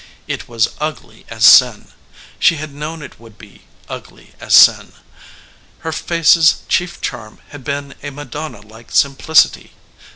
It was ugly as sin she had known it would be ugly as sin. Her face's chief charm had been a Madonna like simplicity.